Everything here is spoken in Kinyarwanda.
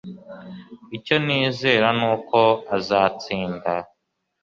Icyo nizera nuko azatsinda